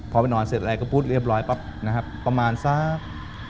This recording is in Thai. พอไปนอนเสร็จแล้วก็พูดเรียบร้อยประมาณสัก